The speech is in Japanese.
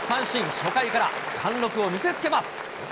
初回から貫録を見せつけます。